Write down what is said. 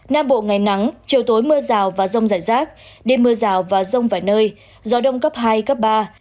nam bộ ngày nắng chiều tối mưa rào và rông rải rác đêm mưa rào và rông vài nơi gió đông cấp hai cấp ba